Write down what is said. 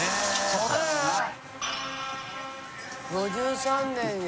５３年や。